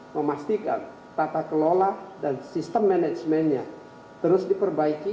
memastikan tata kelola dan sistem manajemennya terus diperbaiki